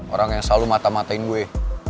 orang yang selalu mata matain gue